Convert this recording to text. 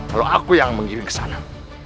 kalau aku yang mengirim ke sana